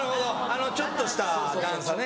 あのちょっとした段差ね。